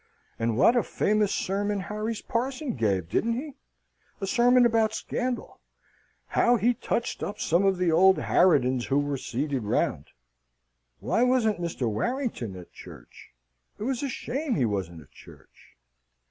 And what a famous sermon Harry's parson gave, didn't he? A sermon about scandal. How, he touched up some of the old harridans who were seated round! Why wasn't Mr. Warrington at church? It was a shame he wasn't at church."